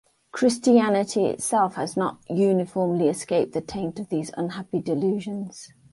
Christianity itself has not uniformly escaped the taint of these unhappy delusions.